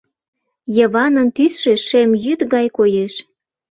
Йыванын тӱсшӧ шем йӱд гай коеш.